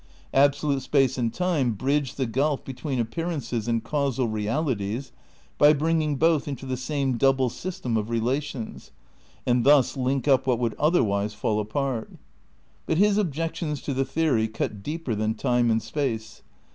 Absolute space and time bridge the gulf between appearances and causal realities by bringing both into the same double system of relations, and thus link up what would otherwise fall apart. But his objections to the theory cut deeper than time and space.